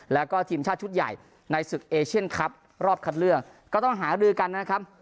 แล้วก็ทีมชาติชุดใหญ่ในศึกเอเชียนคลับรอบคัดเลือกก็ต้องหารือกันนะครับ